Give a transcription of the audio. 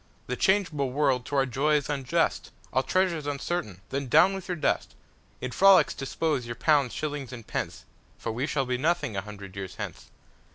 The changeable world to our joy is unjust, All treasure's uncertain, Then down with your dust! In frolics dispose your pounds, shillings, and pence, For we shall be nothing a hundred years hence.